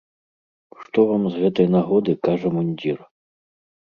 Што вам з гэтай нагоды кажа мундзір?